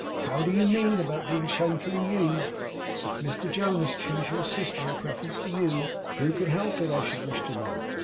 How do you mean about being shamefully used? If Mr Jonas chose your sister in preference to you, who could help it, I should wish to know?